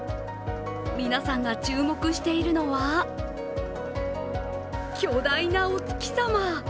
皆さんが注目しているのは巨大なお月様。